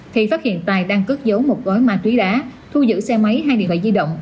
thì phát hiện tài đang cất giấu một gói ma túy đá thu giữ xe máy hai điện thoại di động